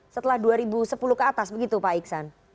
setelah dua ribu sepuluh ke atas begitu pak iksan